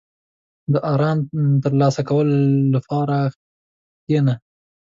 • د آرام ترلاسه کولو لپاره کښېنه.